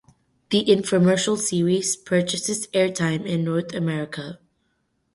The infomercial series purchases airtime in North America.